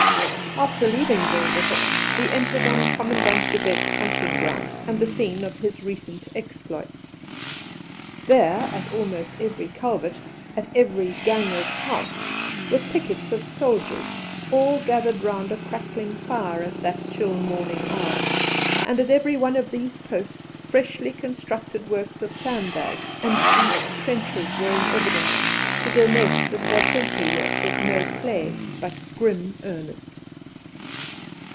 After leaving Wolvehoek, we entered on Commandant De Wet's hunting ground and the scene of his recent exploits. There, at almost every culvert, at every ganger's house, were pickets of soldiers, all gathered round a crackling fire at that chill morning hour; and at every one of these posts freshly constructed works of sandbags and deep trenches were in evidence to denote that their sentry work was no play, but grim earnest.